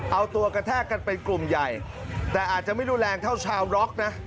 เอาตัวกระแทกกันเป็นกลุ่มใหญ่แต่อาจจะไม่รุนแรงเท่าชาวร็อกนะ